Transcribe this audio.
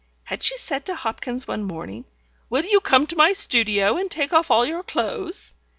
Had she just said to Hopkins one morning: "Will you come to my studio and take off all your clothes?"